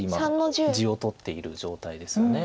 地を取っている状態ですよね。